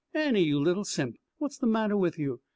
"Annie, you little simp what's the matter with you?